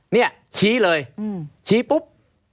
เนี่ยชี้เลยชี้ปุ๊บ